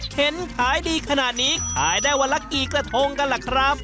เห็นขายดีขนาดนี้ขายได้วันละกี่กระทงกันล่ะครับ